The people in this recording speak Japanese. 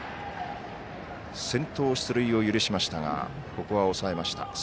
先頭出塁を許しましたがここは抑えました。